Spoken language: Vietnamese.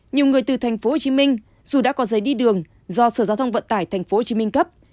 nhiều người từ tp hcm dù đã có giấy đi đường do sở giao thông vận tải tp hcm cấp